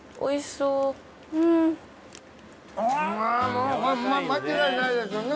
もうこれ間違いないですよね。